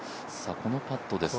このパットですね。